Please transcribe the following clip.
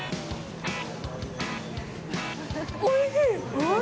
おいしい？